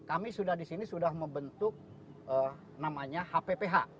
kami sudah di sini sudah membentuk namanya hpph